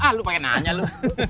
ah lu pake nanya lu